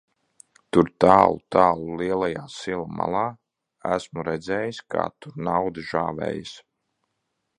Tur tālu, tālu lielajā sila malā, esmu redzējis, kā tur nauda žāvējas.